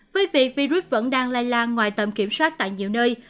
với việc virus vẫn đang lây lan ngoài tầm kiểm soát tại nhiều nơi